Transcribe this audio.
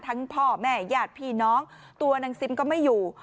พ่อแม่ญาติพี่น้องตัวนางซิมก็ไม่อยู่